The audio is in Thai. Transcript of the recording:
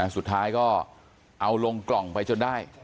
สุดท้ายก็เอาลงกล่องไปจนได้